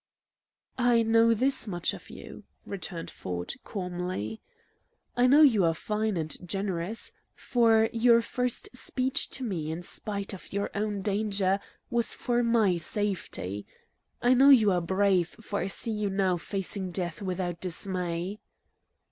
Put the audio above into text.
"I know this much of you," returned Ford, calmly; "I know you are fine and generous, for your first speech to me, in spite of your own danger, was for my safety. I know you are brave, for I see you now facing death without dismay."